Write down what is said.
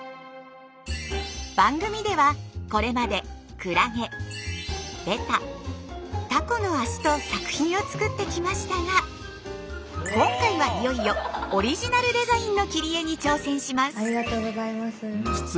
番組ではこれまで「クラゲ」「ベタ」「タコの足」と作品を作ってきましたが今回はいよいよオリジナルデザインの切り絵に挑戦します。